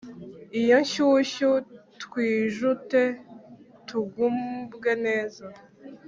Iyo nshyushyu twijute tugubwe neza.